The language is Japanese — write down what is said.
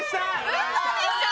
ウソでしょ！